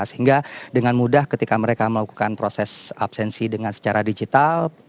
sehingga dengan mudah ketika mereka melakukan proses absensi dengan secara digital